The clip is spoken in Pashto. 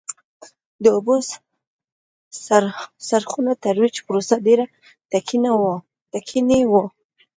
د اوبو څرخونو ترویج پروسه ډېره ټکنۍ وه